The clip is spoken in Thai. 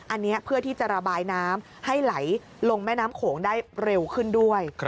อันนี้เพื่อที่จะระบายน้ำให้ไหลลงแม่น้ำโขงได้เร็วขึ้นด้วย